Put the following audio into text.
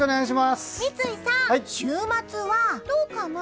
三井さん、週末はどうかな？